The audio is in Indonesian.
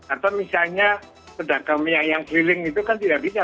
atau misalnya pedagang yang keliling itu kan tidak bisa